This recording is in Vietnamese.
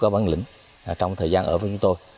bản lĩnh trong thời gian ở với chúng tôi